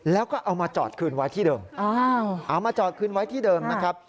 แล้วก็เอามาจอดคืนไว้ที่เดิมเอามาจอดคืนไว้ที่เดิมนะครับ